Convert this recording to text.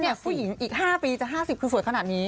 ผู้หญิงอีก๕ปีจะ๕๐คือสวยขนาดนี้